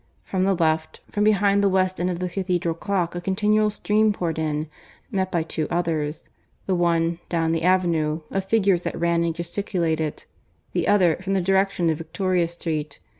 From the left, from behind the west end of the cathedral clock a continual stream poured in, met by two others, the one, down the avenue, of figures that ran and gesticulated, the other from the direction of Victoria Street.